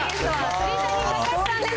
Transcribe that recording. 鳥谷敬さんです。